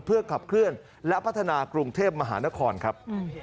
เพื่อขับเคลื่อนและพัฒนากรุงเทพมหานครครับ